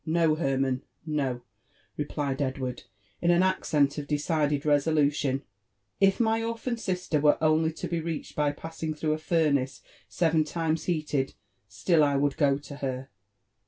'' No, Hermann, no/' replied Edward in an accent of decided re^ solution ;*' if my orphan sister were only to be reached by passing through a furnace seven times heated, still { would go to her.